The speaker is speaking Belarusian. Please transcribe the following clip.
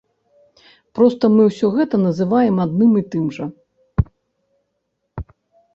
Проста мы ўсё гэта называем адным і тым жа.